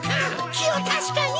気を確かに！